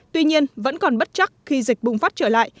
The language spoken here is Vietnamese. tuy nhiên vẫn còn bất chắc khi dịch bùng phát trở lại